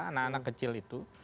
anak anak kecil itu